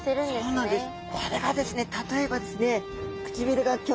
そうなんです。